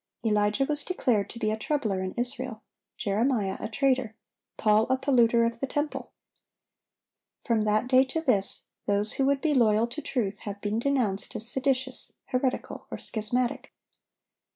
Elijah was declared to be a troubler in Israel, Jeremiah a traitor, Paul a polluter of the temple. From that day to this, those who would be loyal to truth have been denounced as seditious, heretical, or schismatic.